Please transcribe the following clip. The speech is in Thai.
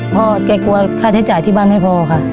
พ่อแกกลัวค่าใช้จ่ายที่บ้านไม่พอค่ะ